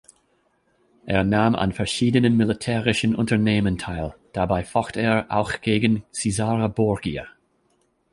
Er nahm an verschiedenen militärischen Unternehmen teil, dabei focht er auch gegen Cesare Borgia.